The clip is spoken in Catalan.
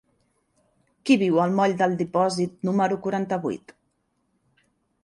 Qui viu al moll del Dipòsit número quaranta-vuit?